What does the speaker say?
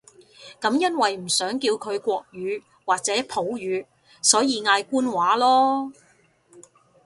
噉因為唔想叫佢國語或者普語，所以嗌官話囉